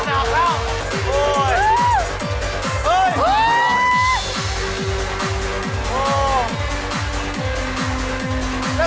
จะแวะใครนะใช่ไหมแพ้จะแกะวะฮึัน